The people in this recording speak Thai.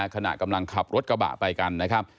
ขณะกำลังขับรถกระบะไปกันนะครับ